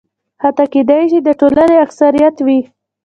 حتی کېدای شي د ټولنې اکثریت وي.